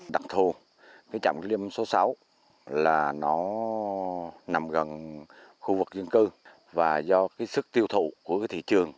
đặc thù cái trạm li liêm số sáu là nó nằm gần khu vực dân cư và do cái sức tiêu thụ của cái thị trường